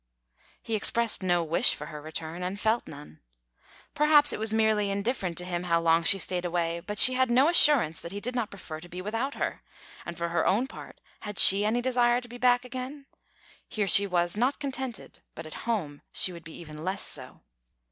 He expressed no wish for her return, and felt none. Perhaps, it was merely indifferent to him how long she stayed away; but she had no assurance that he did not prefer to be without her. And, for her own part, had she any desire to be back again? Here she was not contented, but at home she would be even less so.